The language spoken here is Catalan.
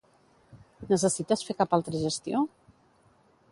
Necessites fer cap altra gestió?